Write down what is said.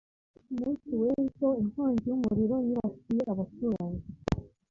ku munsi w'ejo, inkongi y'umuriro yibasiye abaturanyi